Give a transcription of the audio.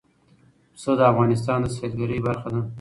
پسه د افغانستان د سیلګرۍ برخه ده.